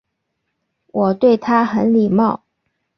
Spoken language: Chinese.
我对他很礼貌